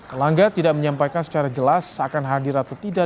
erlangga tidak menyampaikan secara jelas akan hadir atau tidak